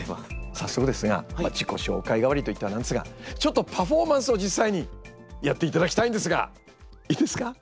早速ですが自己紹介代わりといっては何ですがちょっとパフォーマンスを実際にやっていただきたいんですがいいですか？